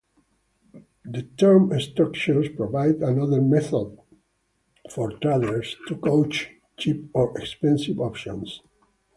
The term structures provide another method for traders to gauge cheap or expensive options.